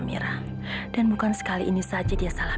tidak mungkin ini salah